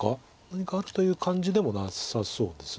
何かあるという感じでもなさそうです。